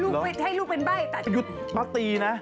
ลูกเป็นเงียบแล้วลูกป๊าทำงานอยู่ยุดพ่อตีนะ